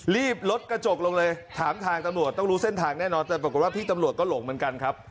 รีบลดกระจกลงเลยถามทางตำรวจต้องรู้เส้นทางแน่นอนแต่ปรากฏว่าพี่ตำรวจก็หลงเหมือนกันครับ